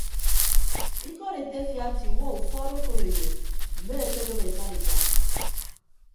Ikọd etefia ete iwuọ ufuọd okoneyo mme ekedooho ekarika.